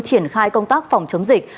triển khai công tác phòng chống dịch